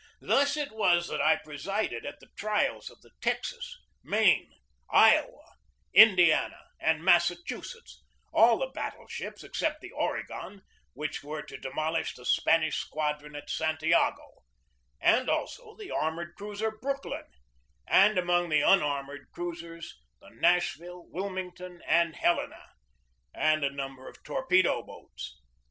Thus it was that I presided at the trials of the Texas, Maine, Iowa, Indiana, and Massachusetts 166 GEORGE DEWEY all the battle ships except the Oregon which were to demolish the Spanish squadron at Santiago and also the armored cruiser Brooklyn and, among the unar mored cruisers, the Nashville, Wilmington, and Hel ena, and a number of torpedo boats.